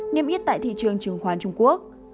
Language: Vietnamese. niêm yết tại thị trường chứng khoán trung quốc